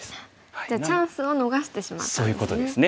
じゃあチャンスを逃してしまったんですね。